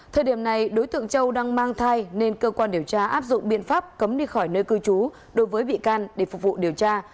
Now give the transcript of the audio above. thời điểm này đối tượng châu đang mang thai nên cơ quan điều tra áp dụng biện pháp cấm đi khỏi nơi cư trú đối với bị can để phục vụ điều tra